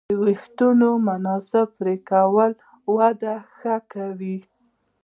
د وېښتیانو مناسب پرېکول وده ښه کوي.